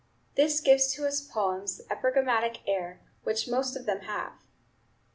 This gives to his poems the epigrammatic air which most of them have.